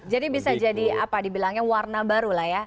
jadi bisa jadi apa dibilangnya warna baru lah ya